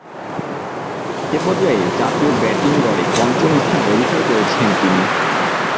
এ পর্যায়ে জাতীয় ব্যাটিং গড়ে পঞ্চম স্থান অধিকার করেছিলেন তিনি।